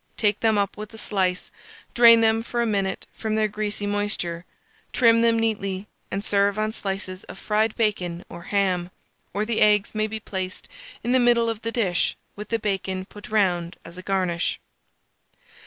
Take them up with a slice, drain them for a minute from their greasy moisture, trim them neatly, and serve on slices of fried bacon or ham; or the eggs may be placed in the middle of the dish, with the bacon put round as a garnish.